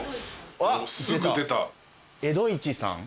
出た江戸一さん。